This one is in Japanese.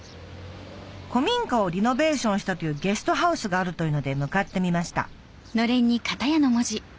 古民家をリノベーションしたというゲストハウスがあるというので向かってみました